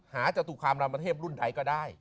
หาเจ้าตูครรภารมธ์มันเทพรุ่นใดก็ได้